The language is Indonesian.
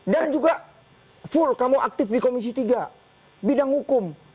dan juga full kamu aktif di komisi tiga bidang hukum